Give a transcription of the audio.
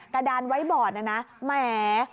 กระดานไว้บอดนะนะแหม